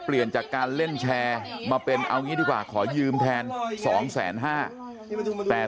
เปลี่ยนจากการเล่นแชร์มาเป็นเอางี้ดีกว่าขอยืมแทน๒๕๐๐แต่